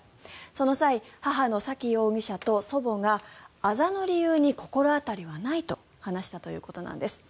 その際、母の沙喜容疑者と祖母があざの理由に心当たりはないと話したということなんです。